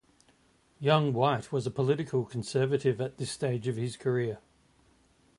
Young White was a political conservative at this stage of his career.